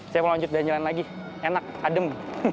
saya mau lanjut jalan jalan lagi enak adem